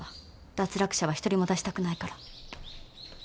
脱落者は一人も出したくないから。